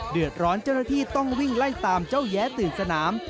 เจ้าหน้าที่ต้องวิ่งไล่ตามเจ้าแย้ตื่นสนาม